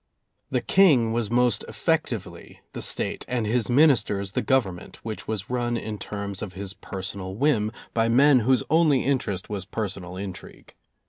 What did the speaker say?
The King was most effectively the State and his ministers the Government, which was run in terms of his personal whim, by men whose only interest was personal intrigue.